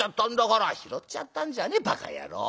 「拾っちゃったんじゃねえバカ野郎。